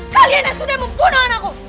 kalian yang sudah membunuh anakku